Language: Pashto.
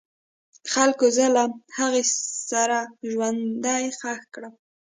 خلکو زه له هغې سره ژوندی خښ کړم.